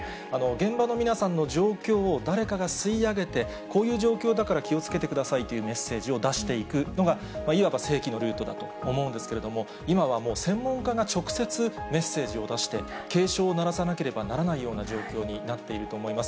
現場の皆さんの状況を誰かが吸い上げて、こういう状況だから気をつけてくださいというメッセージを出していくのが、いわば正規のルートだと思うんですけれども、今はもう、専門家が直接メッセージを出して、警鐘を鳴らさなければならないような状況になっていると思います。